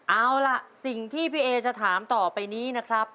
เอาล่ะสิ่งที่พี่เอจะถามต่อไปนี้นะครับ